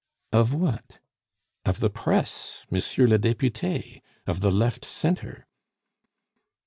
"Of what?" "Of the Press, Monsieur le Depute, of the left centre."